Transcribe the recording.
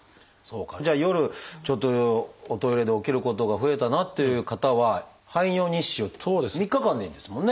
じゃあ夜ちょっとおトイレで起きることが増えたなっていう方は排尿日誌を３日間でいいんですもんね。